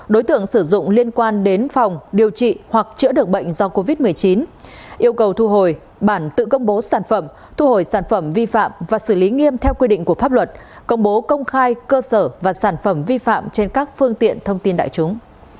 đối tượng sử dụng liên quan đến phòng điều trị hoặc chữa được bệnh do covid một mươi chín yêu cầu thu hồi bản tự công bố sản phẩm thu hồi sản phẩm vi phạm và xử lý nghiêm theo quy định của pháp luật công bố công khai cơ sở và sản phẩm vi phạm trên các phương tiện thông tin đại chúng